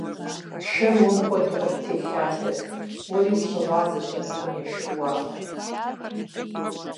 Шэр уэм хуэдэу къыттелъалъэрт: уэри ущыгъуазэщ абыхэм я шэрыуагъым!